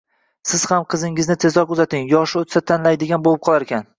Siz ham qizingizni tezroq uzating, yoshi o`tsa tanlaydigan bo`lib qolarkan